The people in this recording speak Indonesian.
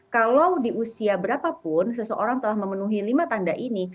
kalau di usia berapapun seseorang telah memenuhi lima tanda ini